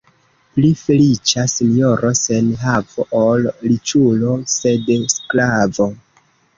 Pli feliĉa sinjoro sen havo, ol riĉulo sed sklavo.